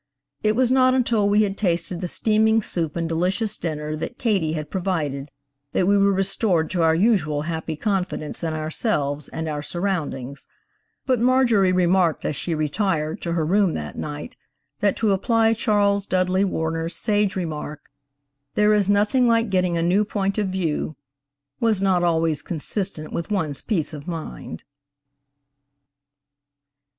It was not until we had tasted the steaming soup and delicious dinner that Katie had provided that we were restored to our usual happy confidence in ourselves and our surroundings, but Marjorie remarked as she retired to her room that night, that to apply Chas. Dudley Warner's sage remark, "there is nothing like getting a new point of view," was not always consistent with one's peace of mind.